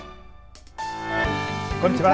こんにちは。